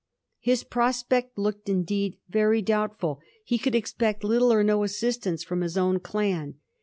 His prospect looked indeed very doubtful. He could expect little or no assistance from his own clau.